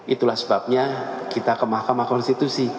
itulah sebabnya kita ke mahkamah konstitusi